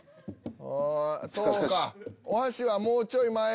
そうかお箸はもうちょい前ぐらい。